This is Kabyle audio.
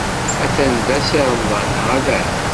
Atan da Si Remḍan, neɣ ala?